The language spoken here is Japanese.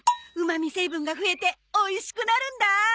うまみ成分が増えておいしくなるんだ。